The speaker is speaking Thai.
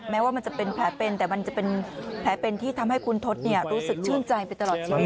แม้ว่ามันจะเป็นแผลเป็นแต่มันจะเป็นแผลเป็นที่ทำให้คุณทศรู้สึกชื่นใจไปตลอดชีวิต